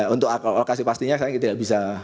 untuk lokasi pastinya saya tidak bisa